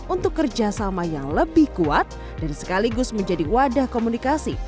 untuk kerjasama yang lebih kuat dan sekaligus menjadi wadah komunikasi